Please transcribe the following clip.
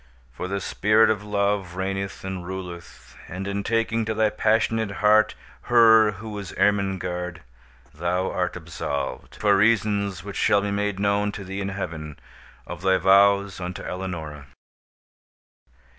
for the Spirit of Love reigneth and ruleth, and, in taking to thy passionate heart her who is Ermengarde, thou art absolved, for reasons which shall be made known to thee in Heaven, of thy vows unto Eleonora."